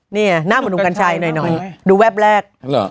นี่หน้าเหมือนหนุ่มกัญชัยหน่อยดูแวบแรก